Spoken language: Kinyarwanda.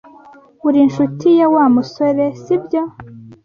Uri inshuti ya Wa musore sibyo